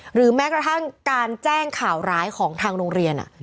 หรือแม้กระทั่งการแจ้งข่าวร้ายของทางโรงเรียน